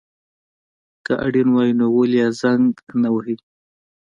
که اړين وای نو ولي يي زنګ نه وهلو